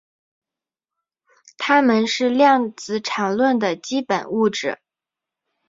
它们是量子场论的基本物质。